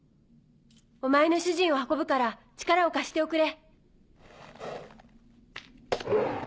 お前の主人を運ぶから力を貸しておくれ。